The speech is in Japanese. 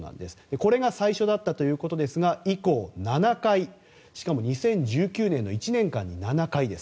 これが最初だったということですが以降７回、しかも２０１９年の１年間に７回です。